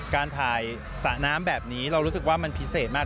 การถ่ายสระน้ำแบบนี้เรารู้สึกว่ามันพิเศษมาก